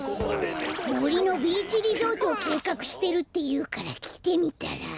もりのビーチリゾートをけいかくしてるっていうからきてみたら。